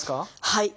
はい。